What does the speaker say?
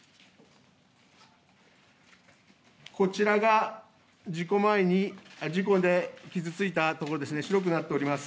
こちらが事故前に、事故で傷ついた所ですね、白くなっております。